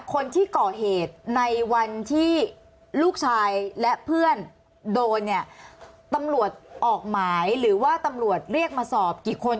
คนที่ก่อเหตุในวันที่ลูกชายและเพื่อนโดนเนี่ยตำรวจออกหมายหรือว่าตำรวจเรียกมาสอบกี่คน